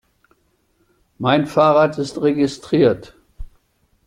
Mein Fahrrad ist registriert.